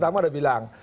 tadi kamu ada bilang